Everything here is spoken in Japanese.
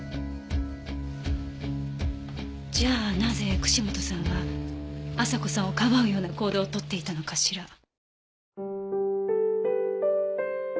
じゃあなぜ串本さんは朝子さんをかばうような行動を取っていたのかしら？